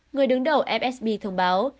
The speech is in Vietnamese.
người đứng đầu fsb thông báo